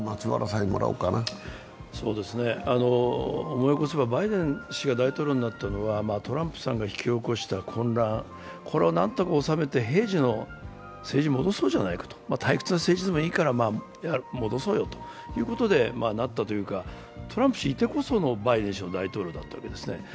思い起こせば、バイデン氏が大統領になったのは、トランプさんが引き起こした混乱を何とか収めて、平時の政治に戻そうじゃないか、退屈な政治でもいいから戻そうよということで、なったというか、トランプ氏がいてこそのバイデン氏の大統領だったわけですね。